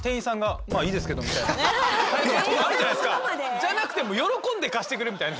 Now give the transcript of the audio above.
じゃなくて喜んで貸してくれるみたいな。